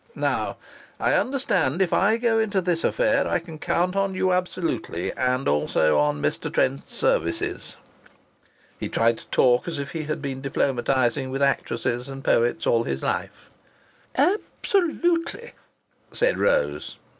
Now I understand if I go into this affair I can count on you absolutely, and also on Mr. Trent's services." He tried to talk as if he had been diplomatizing with actresses and poets all his life. "A absolutely!" said Rose.